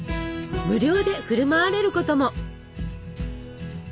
無料で振る舞われることも。